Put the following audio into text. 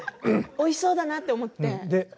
おいしそうだなと思って。